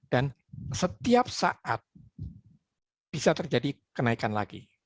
dan setiap saat bisa terjadi kenaikan lagi